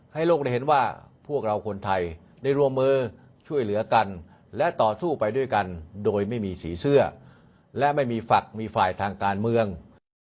โลกได้เห็นว่าพวกเราคนไทยได้รวมมือช่วยเหลือกันและต่อสู้ไปด้วยกันโดยไม่มีสีเสื้อและไม่มีฝักมีฝ่ายทางการเมือง